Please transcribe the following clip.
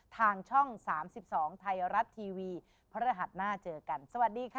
ทางช่อง๓๒ไทยรัฐทีวีพระรหัสหน้าเจอกันสวัสดีค่ะ